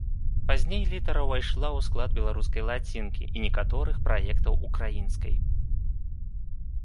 Пазней літара ўвайшла ў склад беларускай лацінкі і некаторых праектаў украінскай.